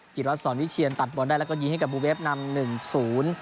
รัฐสอนวิเชียนตัดบอลได้แล้วก็ยิงให้กับบูเวฟนำหนึ่งศูนย์